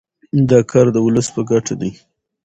دا کار د ولس په ګټه دی.